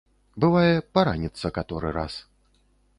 Бывае, параніцца каторы раз.